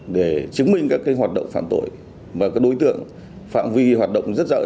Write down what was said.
để chứng minh các hoạt động phạm tội và các đối tượng phạm vi hoạt động rất rộng